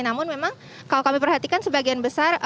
namun memang kalau kami perhatikan sebagian besar